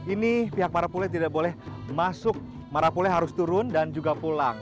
ini pihak marapule tidak boleh masuk marapule harus turun dan juga pulang